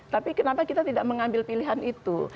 tapi kenapa kita tidak mengambil pilihan itu